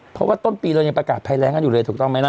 เพราะว่าต้นปีเรายังประกาศภัยแรงกันอยู่เลยถูกต้องไหมล่ะ